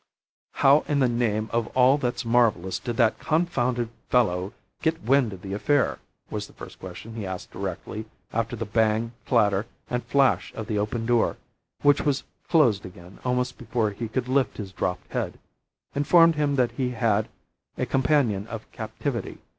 "How in the name of all that's marvellous did that confounded fellow get wind of the affair?" was the first question he asked directly after the bang, clatter, and flash of the open door (which was closed again almost before he could lift his dropped head) informed him that he had a companion of captivity.